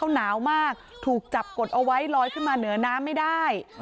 หนาวมากถูกจับกดเอาไว้ลอยขึ้นมาเหนือน้ำไม่ได้